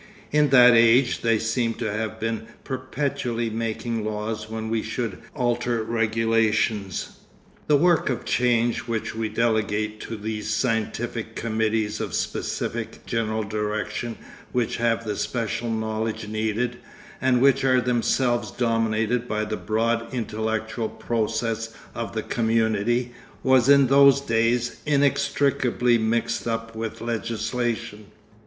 In that age they seem to have been perpetually making laws when we should alter regulations. The work of change which we delegate to these scientific committees of specific general direction which have the special knowledge needed, and which are themselves dominated by the broad intellectual process of the community, was in those days inextricably mixed up with legislation.